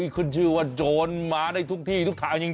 ขึ้นชื่อว่าโจรมาได้ทุกที่ทุกทางจริง